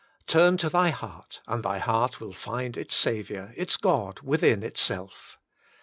Turn to thy heart, and thy heart will find its Saviour, its God, within itself.